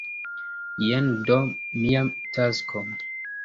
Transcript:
Jen do mia tasko!